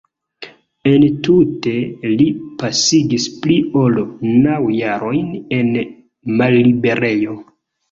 Entute li pasigis pli ol naŭ jarojn en malliberejo.